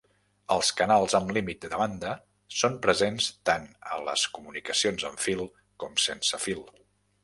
Els canals amb límit de banda són presents tant a les comunicacions amb fil com sense fil.